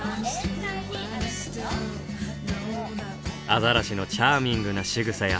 アザラシのチャーミングなしぐさや。